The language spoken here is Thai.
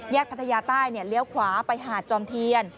พัทยาใต้เลี้ยวขวาไปหาดจอมเทียน